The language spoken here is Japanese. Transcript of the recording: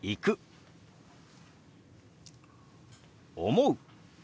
「思う」。